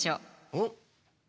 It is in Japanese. おっ！